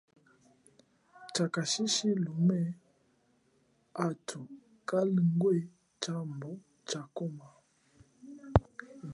Chakashishi lume, athu kalingwe tshambu cha kuma.